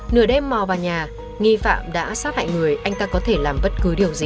nửa đêm mò vào nhà nghi phạm đã sát hại người anh ta có thể làm bất cứ điều gì